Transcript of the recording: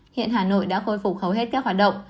hiện hà nội đã khôi phục hầu hết các hoạt động